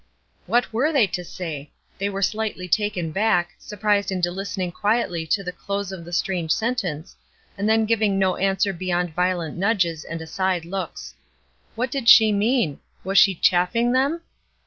What were they to say? They were slightly taken back, surprised into listening quietly to the close of the strange sentence, and then giving no answer beyond violent nudges and aside looks. What did she mean? Was she "chaffing" them?